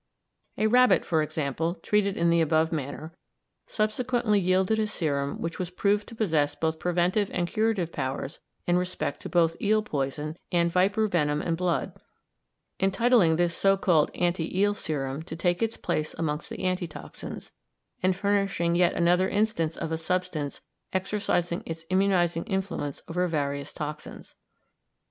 A rabbit, for example, treated in the above manner, subsequently yielded a serum which was proved to possess both preventive and curative powers in respect to both eel poison, and viper venom and blood, entitling this so called anti eel serum to take its place amongst the anti toxins, and furnishing yet another instance of a substance exercising its immunising influence over various toxins.